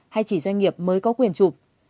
hay chỉ doanh nghiệp mới có quyền chụp